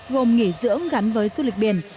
gồm nghỉ dưỡng gắn với du lịch biển